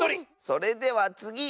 それではつぎ！